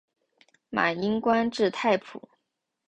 马英官至太仆。